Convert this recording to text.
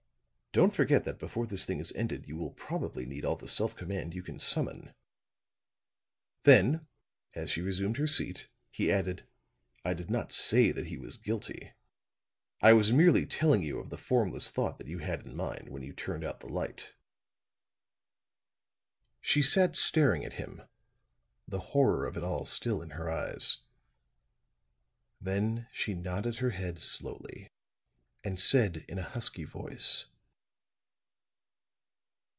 Don't forget that before this thing is ended you will probably need all the self command you can summon." Then as she resumed her seat, he added: "I did not say that he was guilty. I was merely telling you of the formless thought that you had in mind when you turned out the light." She sat staring at him, the horror of it all still in her eyes. Then she nodded her head slowly, and said in a husky voice.